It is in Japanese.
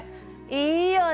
いいよね！